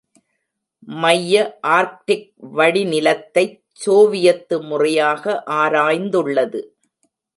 மைய ஆர்க்டிக் வடி நிலத்தைச் சோவியத்து முறையாக ஆராய்ந்துள்ளது.